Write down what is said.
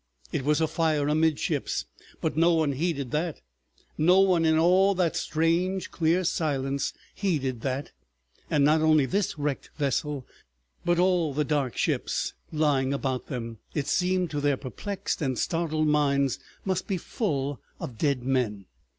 It was afire amidships, but no one heeded that—no one in all that strange clear silence heeded that—and not only this wrecked vessel, but all the dark ships lying about them, it seemed to their perplexed and startled minds must be full of dead men!